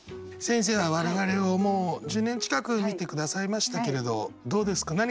先生は我々をもう１０年近く見て下さいましたけれどどうですか？